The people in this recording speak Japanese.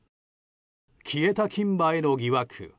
消えた金歯への疑惑。